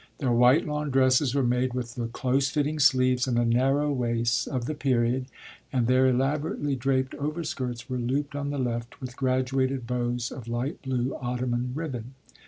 Their white lawn dresses were made with the close fitting sleeves and the narrow waists of the period, and their elaborately draped overskirts were looped on the left with graduated bows of light blue ottoman ribbon.